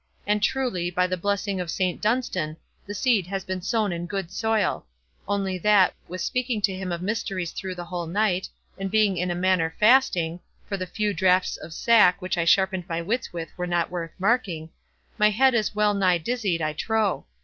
And truly, by the blessing of Saint Dunstan, the seed has been sown in good soil; only that, with speaking to him of mysteries through the whole night, and being in a manner fasting, (for the few droughts of sack which I sharpened my wits with were not worth marking,) my head is well nigh dizzied, I trow.